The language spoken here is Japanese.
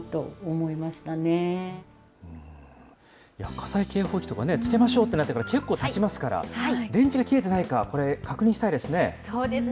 火災警報器とかね、つけましょうってなってから結構たちますから、電池が切れてないそうですね。